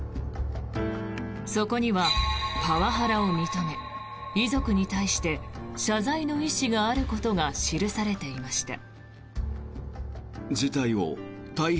そこにはパワハラを認め遺族に対して謝罪の意思があることが記されていました。